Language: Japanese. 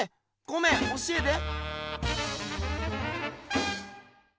ごめん教えて。